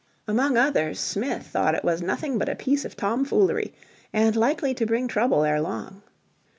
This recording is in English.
Among others, Smith thought it was nothing but a piece of tomfoolery and likely to bring trouble ere long.